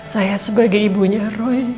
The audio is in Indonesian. saya sebagai ibunya roy